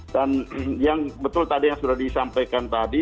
dan yang betul tadi yang sudah disampaikan tadi